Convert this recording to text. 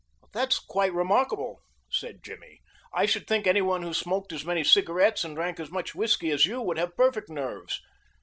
"That's quite remarkable," said Jimmy. "I should think any one who smoked as many cigarettes and drank as much whisky as you would have perfect nerves."